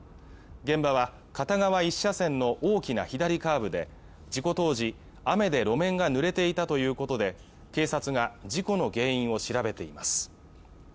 現場は片側１車線の大きな左カーブで事故当時雨で路面が濡れていたということで警察が事故の原因を調べています